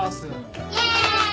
イェーイ！